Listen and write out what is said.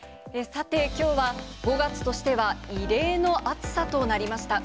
さて、きょうは５月としては異例の暑さとなりました。